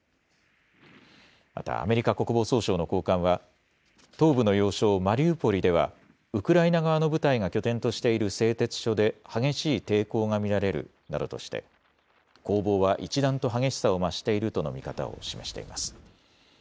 またアメリカ国防総省の高官は東部の要衝マリウポリではウクライナ側の部隊が拠点としている製鉄所で激しい抵抗が見られるなどとして攻防は一段と激しさを増しているとの見方を示しています。